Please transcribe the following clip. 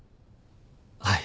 はい。